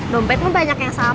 dompetnya banyak yang sama